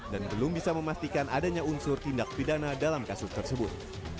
dan belum bisa memastikan adanya unsur tindak pidana dalam kasus tersebut